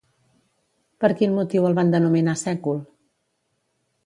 Per quin motiu el van denominar Cècul?